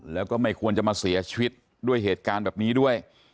แล้วก็ไม่ควรจะมาเสียชีวิตด้วยเหตุการณ์แบบนี้ด้วย